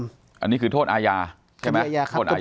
อันนี้คือโทษอาญาใช่ไหม